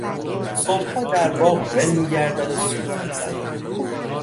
صبحها در باغ ول میگردد و سوت میزند.